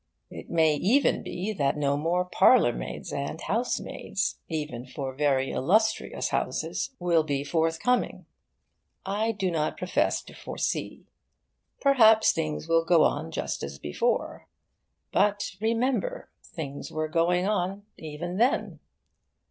It may even be that no more parlourmaids and housemaids, even for very illustrious houses, will be forthcoming. I do not profess to foresee. Perhaps things will go on just as before. But remember: things were going on, even then.